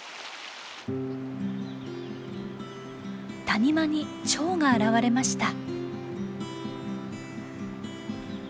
谷間にチョウが現れました。